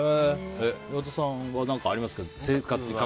岩田さんは何かありますか？